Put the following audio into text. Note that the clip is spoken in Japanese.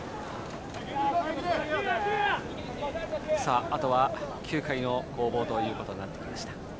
あとは９回の攻防となってきました。